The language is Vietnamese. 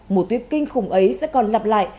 một tuyết kinh khủng ấy sẽ còn lặp lại